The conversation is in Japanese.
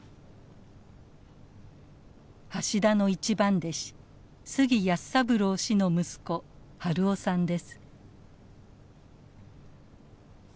橋田の一番弟子杉靖三郎氏の息子晴夫さんです。